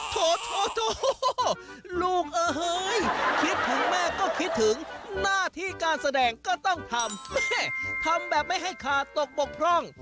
โถลูกเอ้ยคิดถึงแม่ก็คิดถึงหน้าที่การแสดงก็ต้องทำแม่ทำทำแบบไม่ให้ขาดตกบกพร่อง